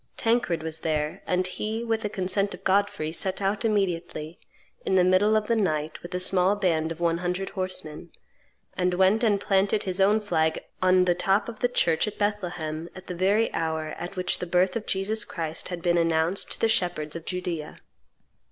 Tancred was there; and he, with the consent of Godfrey, set out immediately, in the middle of the night, with a small band of one hundred horsemen, and went and planted his own flag on the top of the church at Bethlehem at the very hour at which the birth of Jesus Christ had been announced to the shepherds of Judea.